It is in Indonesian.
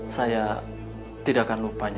saya tidak akan lupanya